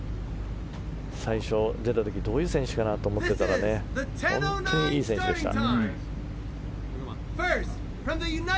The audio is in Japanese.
最初、出てきた時どういう選手かなと思ってたら本当にいい選手でした。